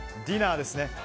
ディナーですね。